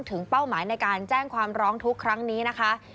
เป้าหมายในการแจ้งความร้องทุกข์ครั้งนี้นะคะ